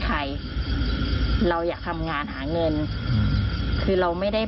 ก็จะบอกว่าจะตามกลับไปบ้าน